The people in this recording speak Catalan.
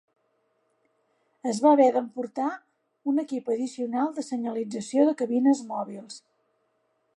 Es va haver d'emportar un equip addicional de senyalització de cabines mòbils.